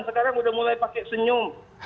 sekarang udah mulai pakai senyum